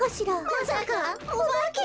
まさかおばけ！？